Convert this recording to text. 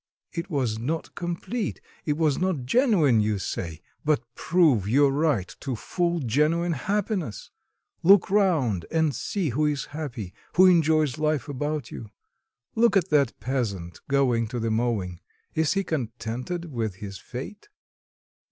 It was not complete, it was not genuine, you say; but prove your right to full, genuine happiness. Look round and see who is happy, who enjoys life about you? Look at that peasant going to the mowing; is he contented with his fate?...